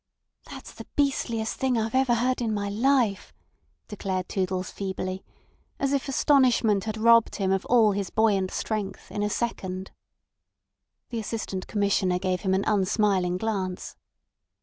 "That's the beastliest thing I've ever heard in my life," declared Toodles feebly, as if astonishment had robbed him of all his buoyant strength in a second. The Assistant Commissioner gave him an unsmiling glance.